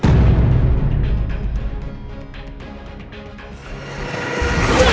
kamu bisa di jaga sama mbah